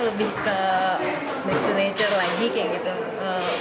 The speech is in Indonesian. lebih ke make to nature lagi kayak gitu